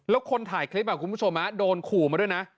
แล้วคนถ่ายคลิปคุณผู้ชมโดนขู่มาด้วยนะ